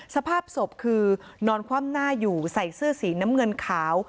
สภาพศพคือนอนคว่ำหน้าอยู่ใส่เสื้อสีน้ำเงินขาว